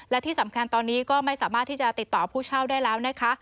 และที่สำคัญตอนนี้ก็ไม่สามารถที่จะติดต่อผู้เช่าได้แล้วนะคะ